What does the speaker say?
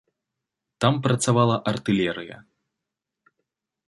І там працавала артылерыя.